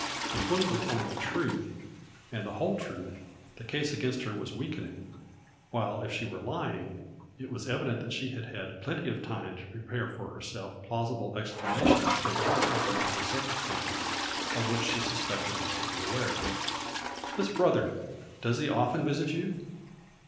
If Winnie were telling the truth, and the whole truth, the case against her was weakening ; while if she were lying, it was evident that she had had plenty of time to prepare for herself plausible explanations of all the compromising circum stances of which she suspected us to be aware. " This brother, does he often visit you